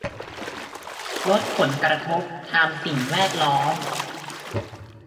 ลดผลกระทบทางสิ่งแวดล้อม